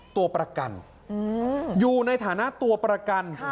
ตัวประกันอยู่ในฐานะตัวประกัน